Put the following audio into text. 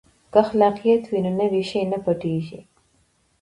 که خلاقیت وي نو نوی شی نه پټیږي.